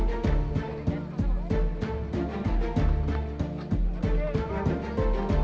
kita tidak boleh buat kalimah